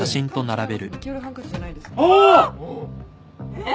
えっ？